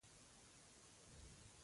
د ګرد وهلو څپلیو پوندې یې راښکلې.